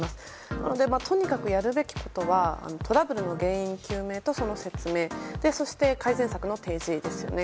なので、とにかくやるべきことはトラブルの原因究明とその説明そして、改善策の提示ですよね。